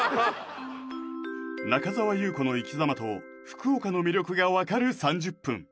中澤裕子の生きざまと福岡の魅力が分かる３０分